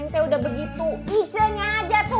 ini kendua kayaknya dapet